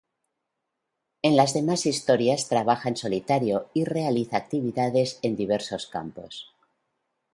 En las demás historias trabaja en solitario y realiza actividades en diversos campos.